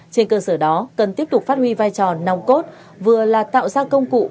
trên cơ sở đó cần tiếp tục phát huy vai trò nòng cốt vừa là tạo ra công cụ